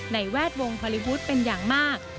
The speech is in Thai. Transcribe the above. ในแวดวงพอลิวุธเป็นอย่างมาก